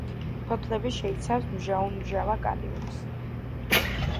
ფოთლები შეიცავს მჟაუნმჟავა კალიუმს.